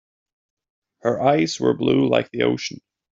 Her eyes were blue like the ocean.